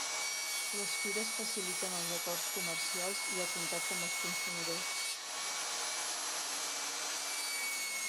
Les fires faciliten els acords comercials i el contacte amb els consumidors.